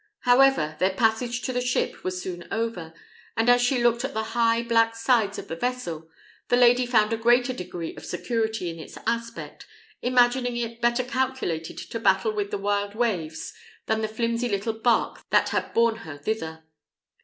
However, their passage to the ship was soon over; and as she looked at the high, black sides of the vessel, the lady found a greater degree of security in its aspect, imagining it better calculated to battle with the wild waves than the flimsy little bark that had borne her thither.